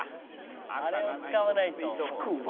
あれを使わないと」